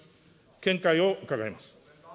見解を伺います。